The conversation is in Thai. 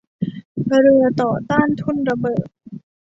เรือต่อต้านทุ่นระเบิด